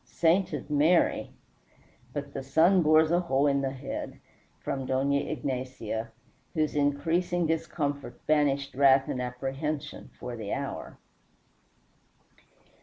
"Sainted Mary, but the sun bores a hole in the head," from Dona Ignacia, whose increasing discomfort banished wrath and apprehension for the hour.